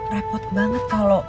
repot banget kalau